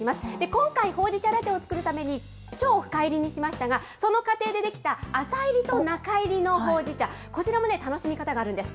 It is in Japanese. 今回、ほうじ茶ラテを作るために、超深いりにしましたが、その過程で出来た浅いりと中いりのほうじ茶、こちらもね、楽しみ方があるんです。